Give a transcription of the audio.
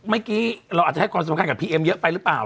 เมื่อกี้เราอาจจะให้ความสำคัญกับพี่เอ็มเยอะไปหรือเปล่า